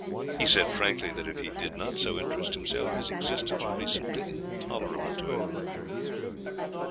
He said frankly that if he did not so interest himself his existence would be simply intolerable to him.